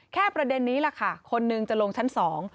ประเด็นนี้แหละค่ะคนนึงจะลงชั้นสอง